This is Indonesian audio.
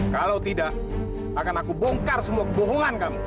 kalau tidak akan aku bongkar semua kebohongan kamu